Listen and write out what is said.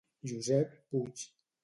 Josep Puig.